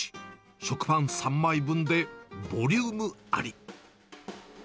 食パン３枚分でボリュームあり。